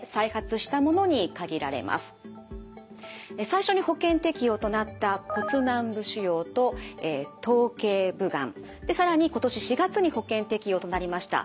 最初に保険適用となった骨軟部腫瘍と頭頸部がん更に今年４月に保険適用となりました